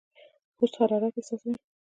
پوست حرارت احساسوي.